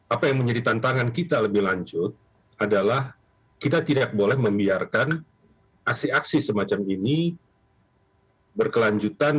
apa yang menjadi tantangan kita lebih lanjut adalah kita tidak boleh membiarkan aksi aksi semacam ini berkelanjutan